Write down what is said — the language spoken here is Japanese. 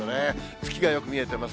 月がよく見えてます。